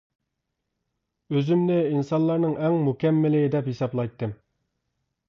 ئۆزۈمنى ئىنسانلارنىڭ ئەڭ مۇكەممىلى دەپ ھېسابلايتتىم.